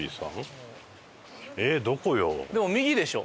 でも右でしょ。